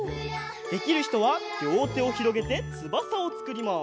できるひとはりょうてをひろげてつばさをつくります。